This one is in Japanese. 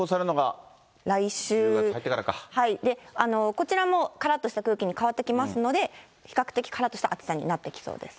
こちらもからっとした空気に変わってきますので、比較的、からっとした暑さになってきそうです。